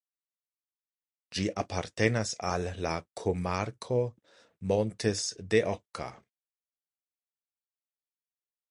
Ĝi apartenas al la komarko "Montes de Oca".